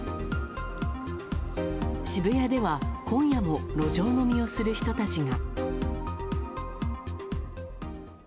渋谷では今夜も路上飲みをする人たちが。